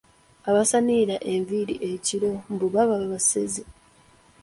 Abasanirira enviiri ekiro mbu baba basezi!